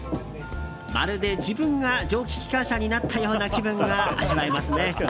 まるで自分が蒸気機関車になったような気分が味わえますね。